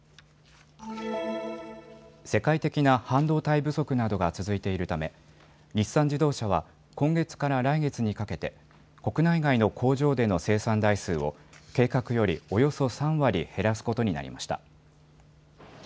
世界的な半導体不足などが続いているため日産自動車は今月から来月にかけて国内外の工場での生産台数を計画よりおよそ３割減らすことになりました。